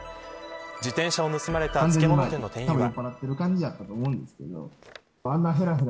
自転車を盗まれた漬物店の店員は。